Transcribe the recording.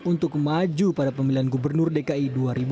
untuk maju pada pemilihan gubernur dki dua ribu dua puluh